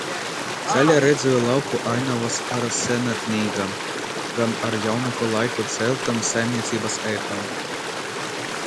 Ceļā redzēju lauku ainavas ar senatnīgām, gan ar jaunāko laiku celtām saimniecības ēkām.